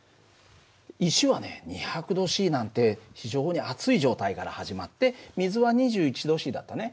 石はね２００℃なんて非常に熱い状態から始まって水は２１℃だったね。